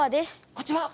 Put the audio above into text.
こんちは！